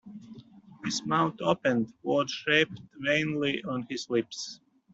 His mouth opened; words shaped vainly on his lips.